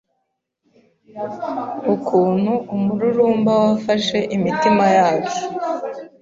Ukuntu umururumba wafashe imitima yacu